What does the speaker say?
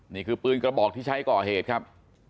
นี่คือปืนกระบอกที่ใช้ก่อเหตุครับ